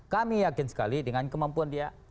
kami yakin sekali dengan kemampuan dia